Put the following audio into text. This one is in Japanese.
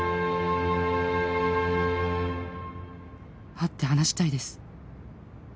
「会って話したいです」